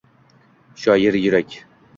Shoir yurak —